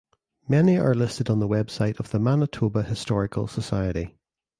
Many are listed on the website of the Manitoba Historical Society.